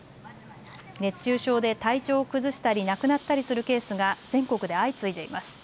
熱中症で体調を崩したり亡くなったりするケースが全国で相次いでいます。